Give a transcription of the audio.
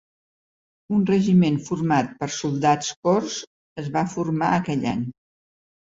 Un regiment format per soldats cors es va formar aquell any.